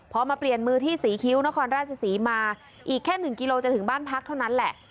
พอมาเปลี่ยนมือที่ศรีคิ้วนครราชศรีมาอีกแค่๑กิโลจะถึงบ้านพักเท่านั้นแหละ